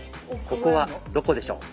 ここはどこでしょう？